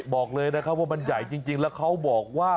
บอกเลยนะครับว่ามันใหญ่จริงแล้วเขาบอกว่า